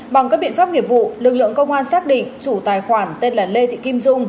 bằng các biện pháp nghiệp vụ lực lượng công an xác định chủ tài khoản tên là lê thị kim dung